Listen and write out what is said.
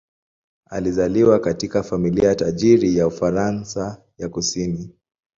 Alizaliwa katika familia tajiri ya Ufaransa ya kusini.